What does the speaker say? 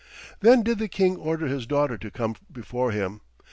Then did the king order his daughter to come before him.